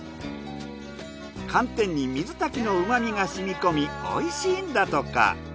寒天に水炊きの旨みがしみこみおいしいんだとか。